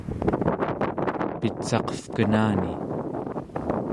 pitsaqevkenani